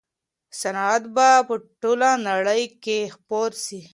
صنعت به په ټوله نړۍ کي خپور سي.